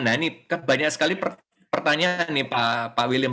nah ini kan banyak sekali pertanyaan nih pak william